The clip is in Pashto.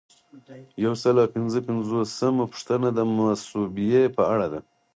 یو سل او پنځه پنځوسمه پوښتنه د مصوبې په اړه ده.